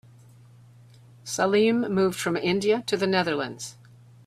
Salim moved from India to the Netherlands.